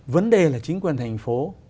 vấn đề là chính quyền thành phố